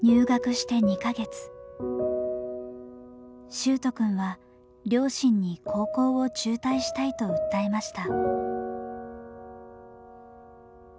秀斗くんは両親に高校を中退したいと訴えました。